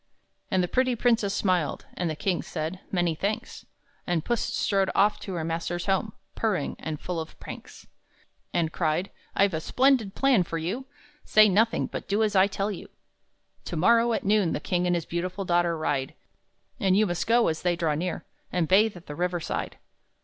And the pretty princess smiled, And the king said, "Many thanks." And Puss strode off to her master's home, Purring, and full of pranks. And cried, "I've a splendid plan for you! Say nothing, but do as I tell you to! "To morrow, at noon, the king And his beautiful daughter ride; And you must go, as they draw near, And bathe at the river side."